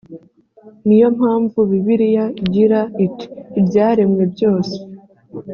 ni yo mpamvu bibiliya igira iti ibyaremwe byose